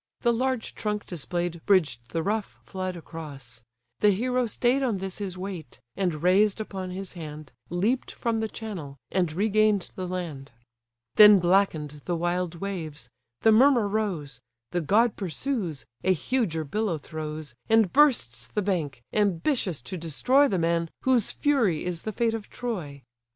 The large trunk display'd Bridged the rough flood across: the hero stay'd On this his weight, and raised upon his hand, Leap'd from the channel, and regain'd the land. Then blacken'd the wild waves: the murmur rose: The god pursues, a huger billow throws, And bursts the bank, ambitious to destroy The man whose fury is the fate of Troy.